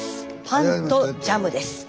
パンとジャムです。